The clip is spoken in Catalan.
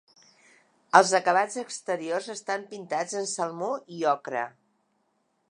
Els acabats exteriors estan pintats en salmó i ocre.